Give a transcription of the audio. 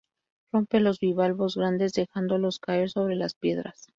Rompe los bivalvos grandes dejándolos caer sobre las piedras.